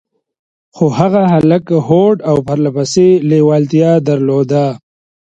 خو هغه کلک هوډ او پرله پسې لېوالتيا درلوده.